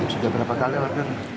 sudah berapa kali warganya